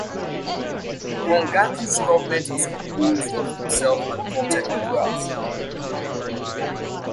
Congacou's government was composed of himself and four technocrats.